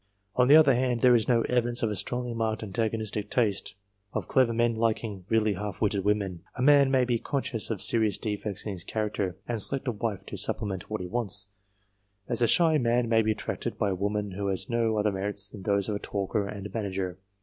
On the other hand, there is no evidence of a strongly marked antagonistic taste of clever men liking really half witted women. A man may be conscious of serious defects in his 316 COMPARISON OF RESULTS character, and select a wife to supplement what he wants, as a shy man may be attracted by a woman who has no other merits than those of a talker and manager.